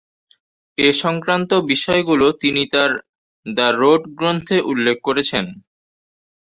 এ সংক্রান্ত বিষয়গুলো তিনি তাঁর "দ্য রোড" গ্রন্থে উল্লেখ করেছেন।